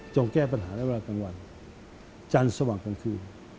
แก้ปัญหาในเวลากลางวันจันทร์สว่างกลางคืน